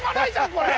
これ！